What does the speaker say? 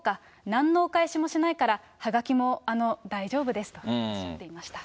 なんのお返しもしないから、はがきもあの大丈夫ですとおっしゃっていました。